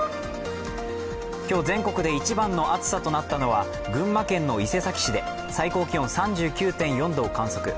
今日、全国で一番の暑さとなったのは群馬県の伊勢崎市で最高気温３９．４度を観測。